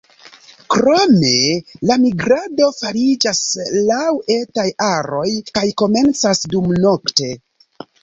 Krome la migrado fariĝas laŭ etaj aroj kaj komencas dumnokte.